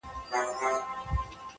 کومه ورځ چي تاته زه ښېرا کوم.